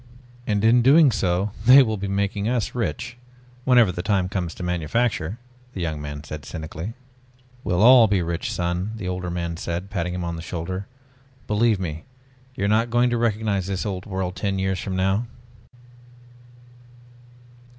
"And in doing so they will be making us rich whenever the time comes to manufacture," the young man said cynically. "We'll all be rich, son," the older man said, patting him on the shoulder. "Believe me, you're not going to recognize this old world ten years from now."